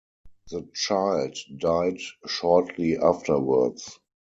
The child died shortly afterwards.